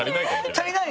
足りない？